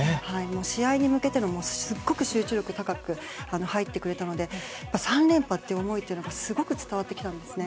試合に向けてすごく集中力高く入ってくれたので３連覇という思いがすごく伝わってきたんですね。